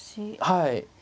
はい。